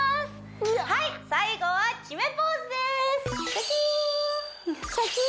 はい最後は決めポーズですシャキーン！